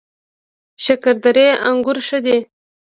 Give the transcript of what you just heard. شکردرې انګور ښه دي؟